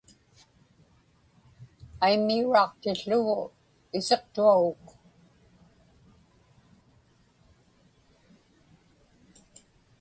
Aimmiuraaqtiłługu isiqtuaguk.